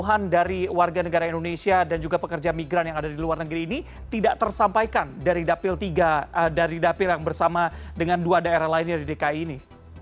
keluhan dari warga negara indonesia dan juga pekerja migran yang ada di luar negeri ini tidak tersampaikan dari dapil tiga dari dapil yang bersama dengan dua daerah lainnya di dki ini